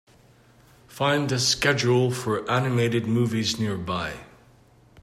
Find the schedule for animated movies nearby